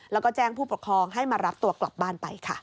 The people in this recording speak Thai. แล้วก็แจ้งผู้ปกครองให้มารับตัวกลับบ้านไปค่ะ